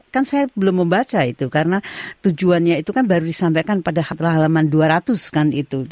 kan saya belum membaca itu karena tujuannya itu kan baru disampaikan pada hatta halaman dua ratus kan itu